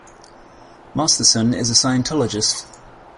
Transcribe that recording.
Masterson is a Scientologist.